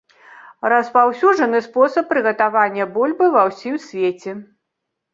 Распаўсюджаны спосаб прыгатавання бульбы ва ўсім свеце.